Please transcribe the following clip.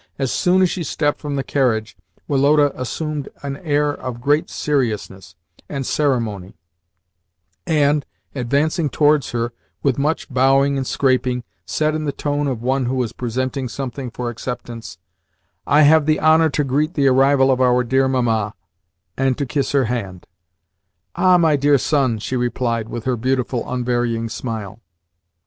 As soon as she stepped from the carriage, Woloda assumed an air of great seriousness and ceremony, and, advancing towards her with much bowing and scraping, said in the tone of one who is presenting something for acceptance: "I have the honour to greet the arrival of our dear Mamma, and to kiss her hand." "Ah, my dear son!" she replied with her beautiful, unvarying smile.